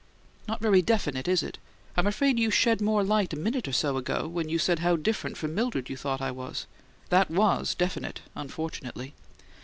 "Not very definite, is it? I'm afraid you shed more light a minute or so ago, when you said how different from Mildred you thought I was. That WAS definite, unfortunately!"